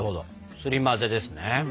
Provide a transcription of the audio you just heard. すり混ぜですね。